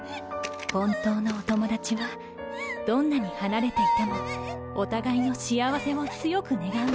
本当のお友達はどんなに離れていてもお互いの幸せを強く願うのです。